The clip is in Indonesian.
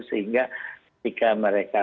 sehingga jika mereka